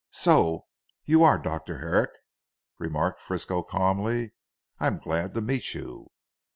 "So you are Dr. Herrick," remarked Frisco calmly, "I am glad to meet you."